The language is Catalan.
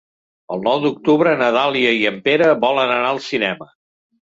El nou d'octubre na Dàlia i en Pere volen anar al cinema.